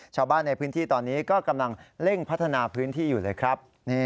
ชาวบ้านในพื้นที่ตอนนี้ก็กำลังเร่งพัฒนาพื้นที่อยู่เลยครับ